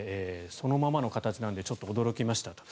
そのままの形なのでちょっと驚きましたと。